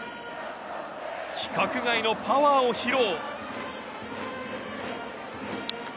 規格外のパワーを披露。